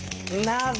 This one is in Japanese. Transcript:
なぜ。